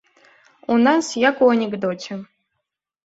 У нас як у анекдоце.